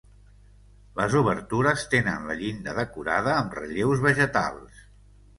Les obertures tenen la llinda decorada amb relleus vegetals.